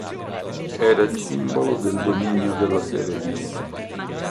Era il simbolo del dominio della Serenissima.